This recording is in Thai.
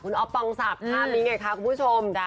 คุณอ๊อปปองสับมีไงคะคุณผู้ชม